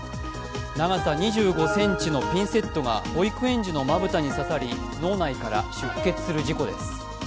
長さ２５ｃｍのピンセットが保育園児のまぶたに刺さり脳内から出血する事故です。